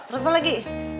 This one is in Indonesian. terus balik lagi